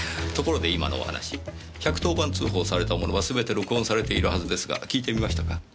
ところで今のお話１１０番通報されたものはすべて録音されているはずですが聞いてみましたか？